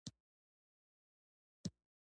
نهه منزله وروسته موږ چمرکنډ ته ورسېدلو.